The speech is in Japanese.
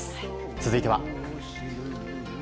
続いては。